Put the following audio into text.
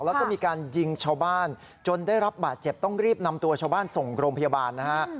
แล้วก็มีการยิงชาวบ้านจนได้รับบาดเจ็บต้องรีบนำตัวชาวบ้านส่งโรงพยาบาลนะฮะ